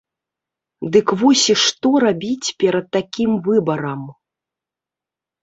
Дык вось і што рабіць перад такім выбарам?